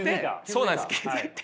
そうなんです気付いて。